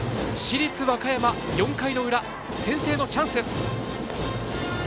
市立和歌山、４回の裏先制のチャンス。